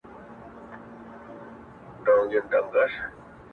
لکه انگور ښه را تاو سوی تر خپل ځان هم يم-